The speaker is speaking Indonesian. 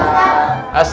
iya pak ustadz